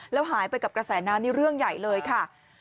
แล้วหายไปกับกระแสน้ำนี่เรื่องใหญ่เลยค่ะ